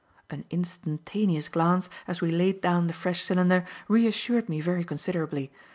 An instantaneous glance, as we laid down the fresh cylinder, reassured me very considerably.